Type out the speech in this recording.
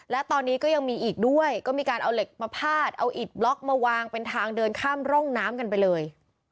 และตอนนี้ก็ยังมีอีกด้วยก็มีการเอาเหล็กมาพาดเอาอิดบล็อกมาวางเป็นทางเดินข้ามร่องน้ำกันไปเลย